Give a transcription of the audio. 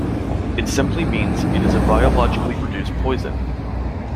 It simply means it is a biologically produced poison.